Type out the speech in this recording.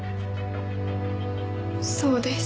そうです。